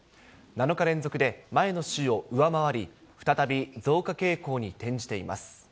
７日連続で前の週を上回り、再び増加傾向に転じています。